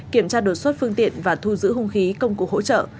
kiểm tra đột xuất phương tiện và thu giữ hung khí công cụ hỗ trợ